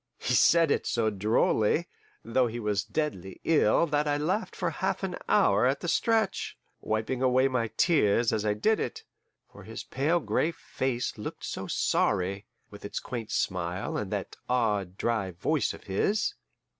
He said it so drolly, though he was deadly ill, that I laughed for half an hour at the stretch, wiping away my tears as I did it; for his pale gray face looked so sorry, with its quaint smile and that odd, dry voice of his.